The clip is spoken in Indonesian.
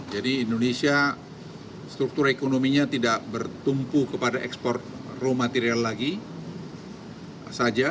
jadi indonesia struktur ekonominya tidak bertumpu kepada ekspor raw material lagi saja